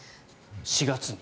４月に。